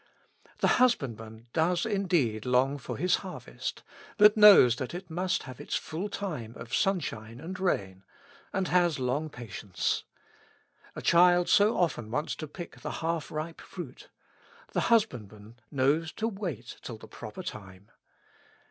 The husbandman does indeed long for his harvest, but knows that it must have its full time of sunshine and rain, and has long patience. A child so often wants to pick the half ripe fruit; the husbandman knows to wait till the proper time.